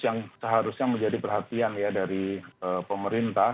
yang seharusnya menjadi perhatian ya dari pemerintah